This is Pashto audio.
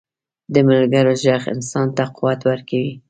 د ملګرو ږغ انسان ته قوت ورکوي.